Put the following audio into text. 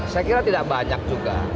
saya kira tidak banyak juga